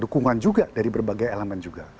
dukungan juga dari berbagai elemen juga